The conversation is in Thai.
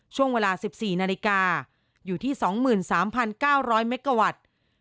ช่วงเวลา๑๔นาฬิกาอยู่ที่๒๓๙๐๐เมกาวัตต์